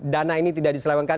dana ini tidak diselewankan